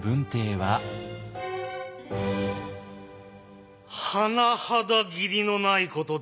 はなはだ義理のないことである。